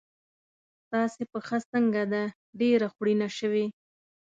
ستاسې پښه څنګه ده؟ ډېره خوړینه شوې.